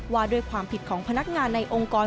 ว่าด้วยความผิดของพนักงานในองค์กร